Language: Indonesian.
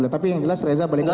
tapi yang jelas reza balik lagi